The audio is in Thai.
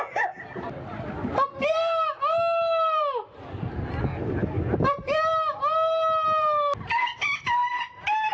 ไก่ผ้ากาหนินมั้ย